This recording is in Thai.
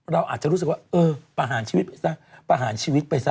เราอาจจะรู้สึกว่าเออประหารชีวิตไปซะประหารชีวิตไปซะ